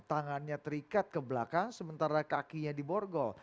tangannya terikat ke belakang sementara kakinya di borgol